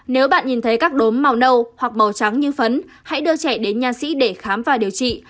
nếu bạn nhìn thấy các đốm màu nâu hoặc màu trắng như phấn hãy đưa trẻ đến nha sĩ để khám và điều trị